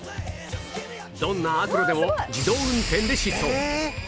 どんな悪路でも自動運転で疾走！